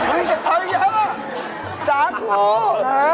นี่จากเท้ายังไง